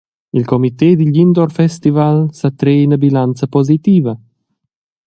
Il comite digl Indoor Festival sa trer ina bilanza positiva.